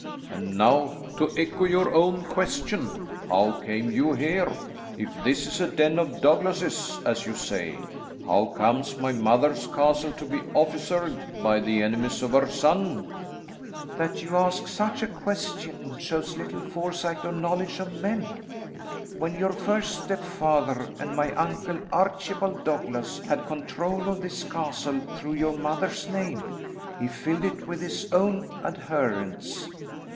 And now, to echo your own question, how came you here? If this is a den of Douglases, as you say, how comes my mother's castle to be officered by the enemies of her son?" "That you ask such a question shows little foresight or knowledge of men. When your first step father, and my uncle, Archibald Douglas, had control of this castle through your mother's name, he filled it with his own adherents."